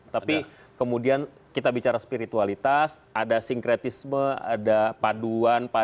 tapi kemudian kita bicara spiritualitas ada sinkretisme ada paduan